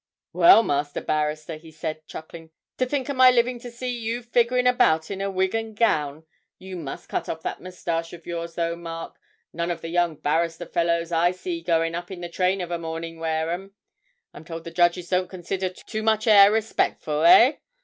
'Well, Master Barrister,' he said, chuckling; 'to think o' my living to see you figurin' about in a wig and gown you must cut off that moustache of yours, though, Mark: none of the young barrister fellows I see goin' up in the train of a mornin' wear 'em. I'm told the judges don't consider too much 'air respectful, hey?